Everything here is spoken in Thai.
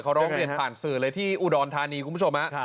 เขาร้องเรียนผ่านสื่อเลยที่อุดรธานีคุณผู้ชมฮะ